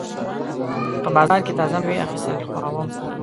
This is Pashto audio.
په بازار کې تازه مېوې اخیستل خوښوم.